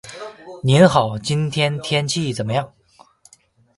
These differences in definition must be taken into account when defining mechanisms.